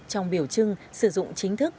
trong biểu trưng sử dụng chính thức